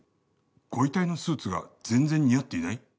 ご遺体のスーツが全然似合っていない？